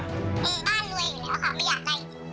คือบ้านรวยอยู่แล้วค่ะไม่อยากได้